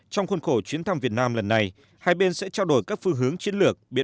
trong khuôn khổ chuyến thăm việt nam lần này hai bên sẽ trao đổi các phương hướng chiến lược